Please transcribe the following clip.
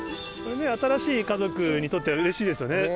新しい家族にとってはうれしいですよね